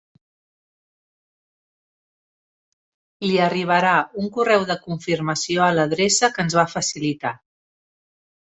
Li arribarà un correu de confirmació a l'adreça que ens va facilitar.